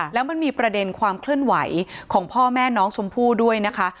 แล้วมันมีประเด็นความเคลื่อนไหวของพ่อแม่น้องชมพู่ด้วยนะคะ